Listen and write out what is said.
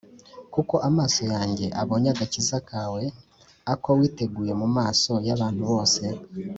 Kuko amaso yanjye abonye agakiza kawe, ako witeguye mu maso y’abantu bose